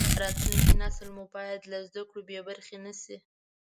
راتلونکی نسل مو باید له زده کړو بې برخې نشي.